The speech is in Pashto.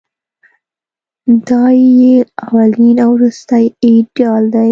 دای یې اولین او وروستۍ ایډیال دی.